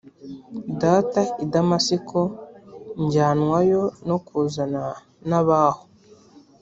data i damasiko njyanwayo no kuzana n ab aho